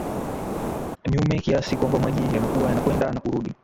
nyume kiasi kwamba maji yanakuwa yanakwenda na kurudi